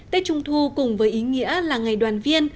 tết trung thu cùng với ý nghĩa là ngày đoàn viên